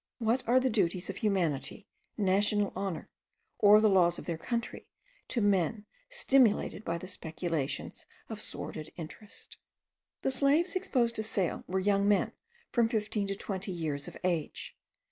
What are the duties of humanity, national honour, or the laws of their country, to men stimulated by the speculations of sordid interest? The slaves exposed to sale were young men from fifteen to twenty years of age.